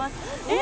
え！